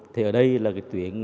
thì ở đây là cái tuyển